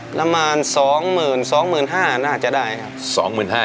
ประมาณ๒๒๕๐๐บาทน่าจะได้ครับ